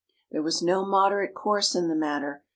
There was no moderate course in the matter.